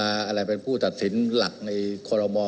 อะไรเป็นผู้ตัดสินของรับคาร์โรโมะ